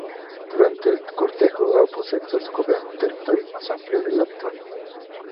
Durante el cortejo ambos sexos cubren un territorio más amplio del habitual.